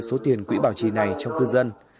số tiền quỹ bảo trì này trong cư dân